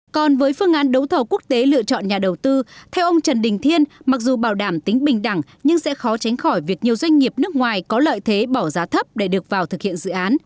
còn với phương án đấu thầu quốc tế lựa chọn nhà đầu tư theo ông trần đình thiên mặc dù bảo đảm tính bình đẳng nhưng sẽ khó tránh khỏi việc nhiều doanh nghiệp nước ngoài có lợi thế bỏ giá thấp để được vào thực hiện dự án